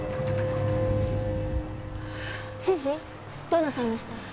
どうなさいました？